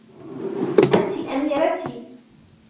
أنت أميرتي.